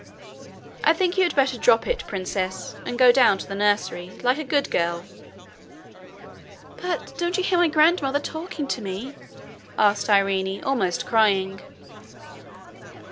I think you had better drop it, princess, and go down to the nursery, like a good girl.' 'But don't you hear my grandmother talking to me?' asked Irene, almost crying.